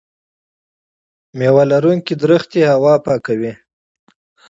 میوه لرونکې ونې هوا پاکوي.